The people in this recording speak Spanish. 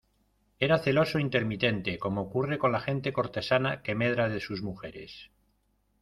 era celoso intermitente, como ocurre con la gente cortesana que medra de sus mujeres.